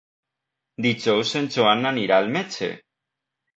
Dijous en Joan anirà al metge.